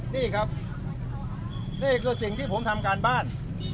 นี่ครับนี่คือสิ่งที่ผมทำการบ้าน